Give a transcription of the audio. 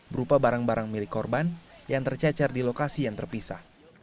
berupa barang barang milik korban yang tercacar di lokasi yang terpisah